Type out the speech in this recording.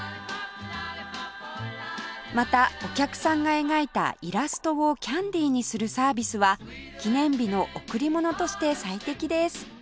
またお客さんが描いたイラストをキャンディーにするサービスは記念日の贈り物として最適です